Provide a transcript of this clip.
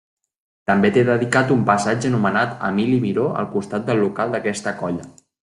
També té dedicat un passatge anomenat Emili Miró al costat del local d'aquesta colla.